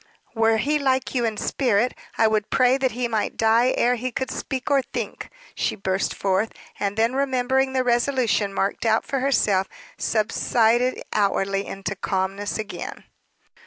"Were he like you in spirit, I would pray that he might die ere he could speak, or think!" she burst forth. And then remembering the resolution marked out for herself, subsided outwardly into calmness again.